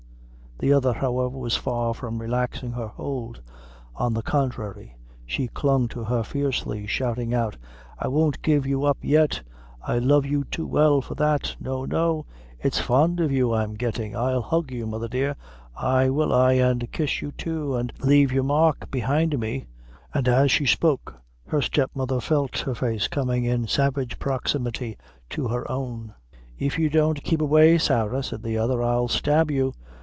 The other, however, was far from relaxing her hold. On the contrary, she clung to her fiercely, shouting out "I won't give you up yet I love you too well for that no, no, it's fond of you I'm gettin'. I'll hug you, mother, dear; ay will I, and kiss you too, an' lave my mark behind me!" and, as she spoke, her step mother felt her face coming in savage proximity to her own. "If you don't keep away, Sarah," said the other, "I'll stab you.